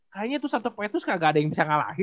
kayaknya tuh satu petus gak ada yang bisa ngalahin